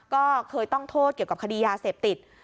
ก็เคยต้องโทษเกี่ยวกับคดียาเสพติด